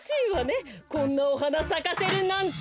こんなおはなさかせるなんて。